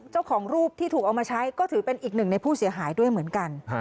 เจ้าของรูปที่ถูกเอามาใช้ก็ถือเป็นอีกหนึ่งในผู้เสียหายด้วยเหมือนกัน